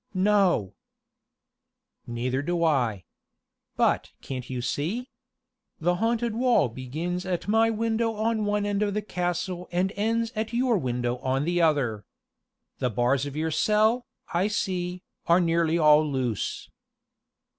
"No." "Neither do I. But can't you see? The haunted wall begins at my window on one end of the castle and ends at your window on the other. The bars of your cell, I see, are nearly all loose."